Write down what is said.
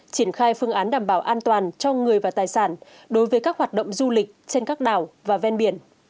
triển khai phương án đảm bảo an toàn cho người và tài sản đối với các hoạt động du lịch trên các đảo và ven biển